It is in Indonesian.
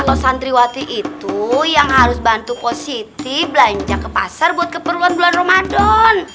atau santriwati itu yang harus bantu positif belanja ke pasar buat keperluan bulan ramadan